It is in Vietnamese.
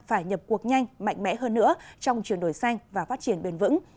phải nhập cuộc nhanh mạnh mẽ hơn nữa trong chuyển đổi xanh và phát triển bền vững